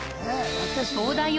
東大王